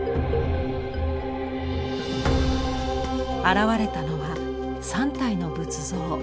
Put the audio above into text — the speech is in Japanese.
現れたのは３体の仏像。